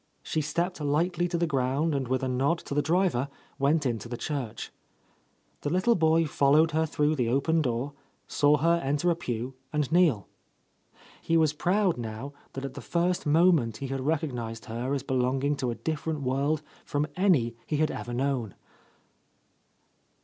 She stepped lightly to the ground and with a nod to the driver went into the church. The little boy followed her through the open door, saw her enter a pew and kneel. He was proud now that at the first moment he had recognized her as be longing to a different world from any he had ever known.